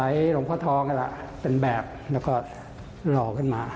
อาศัยหลวงพ่อทองล่ะเป็นแบบแล้วก็หลอกันมา